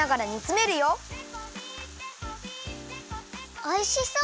おいしそう！